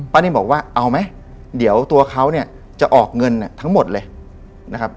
นิ่มบอกว่าเอาไหมเดี๋ยวตัวเขาเนี่ยจะออกเงินทั้งหมดเลยนะครับ